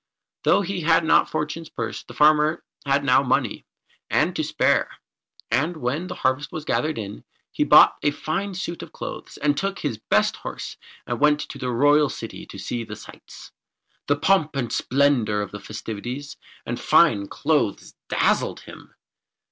Though he had not Fortunatus's Purse, the farmer had now money and to spare, and when the harvest was gathered in, he bought a fine suit of clothes, and took his best horse and went to the royal city to see the sights. The pomp and splendour, the festivities and fine clothes dazzled him.